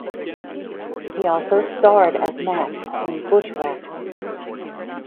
He also starred as Max in "Bushwhacked".